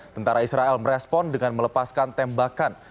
tentara israel merespon dengan melepaskan tembakan